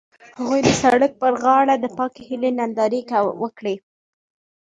هغوی د سړک پر غاړه د پاک هیلې ننداره وکړه.